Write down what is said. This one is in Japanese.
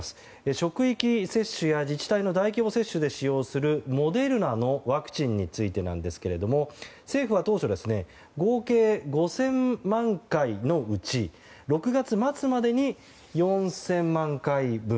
職域接種や自治体の大規模接種で使用するモデルナのワクチンについてですが政府は当初合計５０００万回のうち６月末までに４０００万回分。